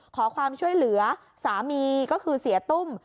ขอความช่วยเหลือสามีก็คือเสียตุ้ม